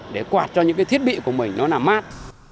để quạt cho những cái thiết bị của mình nó nằm mát